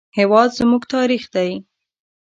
هېواد زموږ تاریخ دی